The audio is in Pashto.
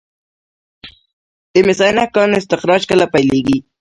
د مس عینک کان استخراج کله پیلیږي؟